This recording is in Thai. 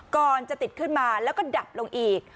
ก่อนจะติดขึ้นมาแล้วก็ดับลงอีก